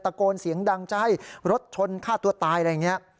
โกนเสียงดังจะให้รถชนฆ่าตัวตายอะไรอย่างนี้